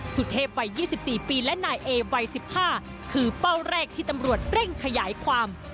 สุเทพวัย๒๔ปีและนายเอวัย๑๕คือเป้าแรกที่ตำรวจเร่งขยายความ